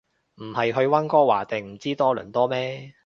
唔係去溫哥華定唔知多倫多咩